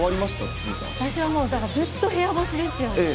私はもうずっと部屋干しですよ。